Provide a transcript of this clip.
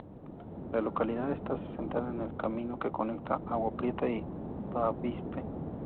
La localidad está asentada en el camino que conecta a Agua Prieta y Bavispe.